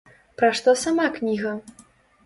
Пра што сама кніга?